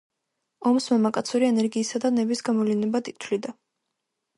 ომს მამაკაცური ენერგიისა და ნების გამოვლინებად თვლიდა.